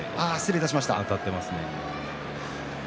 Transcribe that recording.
あたっていますね。